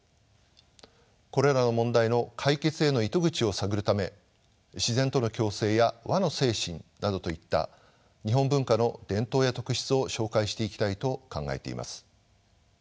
これらの問題の解決への糸口を探るため自然との共生や和の精神などといった日本文化の伝統や特質を紹介していきたいと考えています。